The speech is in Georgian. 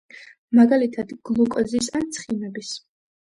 მაგალითად გლუკოზის ან ცხიმების.